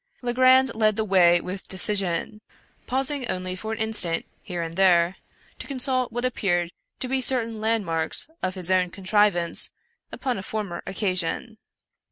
Le grand led the way with decision ; pausing only for an in 135 American Mystery Stories stant, here and there, to consult what appeared to be certain landmarks of his own contrivance upon a former occasion.